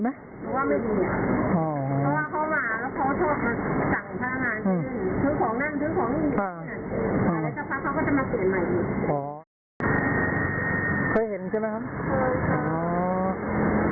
ถือของนั่งถือของใหญ่เค้าพร้อมจะมาเตรียนใหม่